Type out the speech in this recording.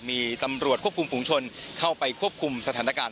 มีตำรวจควบคุมฝุงชนเข้าไปควบคุมสถานการณ์